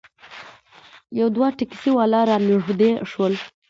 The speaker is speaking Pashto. یو دوه ټیکسي والا رانږدې شول.